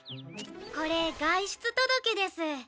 これ外出届です。